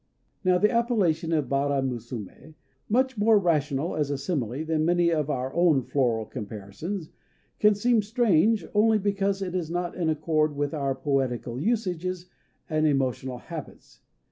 Now the appellation of Bara Musumé much more rational as a simile than many of our own floral comparisons can seem strange only because it is not in accord with our poetical usages and emotional habits.